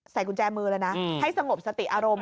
กุญแจมือเลยนะให้สงบสติอารมณ์